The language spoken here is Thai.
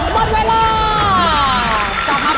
หมดเวลาสลับมาไปตรงนี้เลยค่ะ